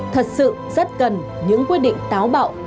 thật sự rất cần những quyết định táo bạo